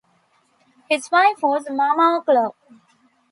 His wife was Mama Ocllo.